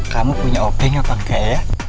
kamu punya obeng apa enggak ya